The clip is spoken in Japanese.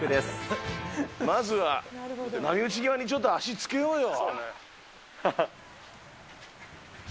まずは波打ち際にちょっと足つけようよ。